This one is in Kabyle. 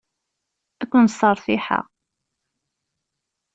Ad ken-sseṛtiḥeɣ.